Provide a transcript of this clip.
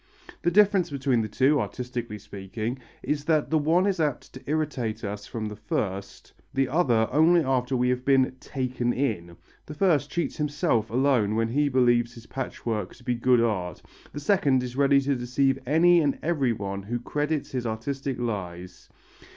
The difference between the two, artistically speaking, is that the one is apt to irritate us from the first, the other only after we have been "taken in," the first cheats himself alone when he believes his patchwork to be good art, the second is ready to deceive any and everyone who credits his artistic lies.